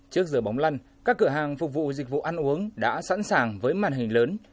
trước giờ bóng lăn các cửa hàng phục vụ dịch vụ ăn uống đã sẵn sàng với màn hình lớn